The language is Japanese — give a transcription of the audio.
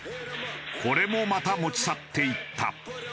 これもまた持ち去っていった。